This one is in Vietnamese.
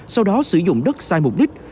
sau đó sử dụng đất sai mục đích